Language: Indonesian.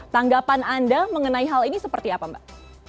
tanggapan anda mengenai hal ini seperti apa mbak